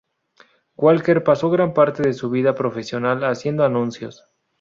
Walker pasó gran parte de su vida profesional haciendo anuncios.